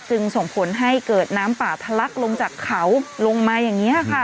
ส่งผลให้เกิดน้ำป่าทะลักลงจากเขาลงมาอย่างนี้ค่ะ